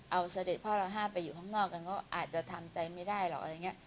เอาเสด็จพ่อร้อห้าไปอยู่ข้างนอกก็อาจจะทำใจไม่ได้หรอก